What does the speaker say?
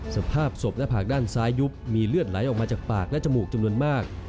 สภาพศพหน้าผากด้านซ้ายยุบมีเลือดไหลออกมาจากปากและจมูกจำนวนมาก